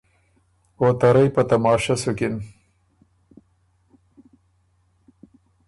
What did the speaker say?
او ته رئ په تماشۀ سُکِن۔